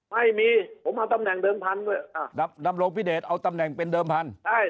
ไม่มีนำโลกพิเษศเอาตำแหน่งเป็นเดิมพันธุ์